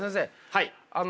はい。